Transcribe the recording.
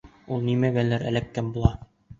Ул нимәгәлер эләккән була.